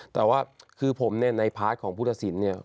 แต่ว่าคือผมในพาร์ทของผู้สินเนี่ย